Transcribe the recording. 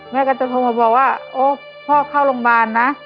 แม่ก็จะโทรมาบอกว่าโอ้พ่อเข้าโรงพยาบาลนะ